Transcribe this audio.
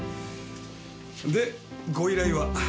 でご依頼は？